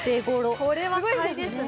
これは買いですね